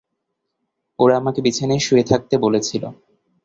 ওরা আমাকে বিছানায় শুয়ে থাকতে বলেছিল।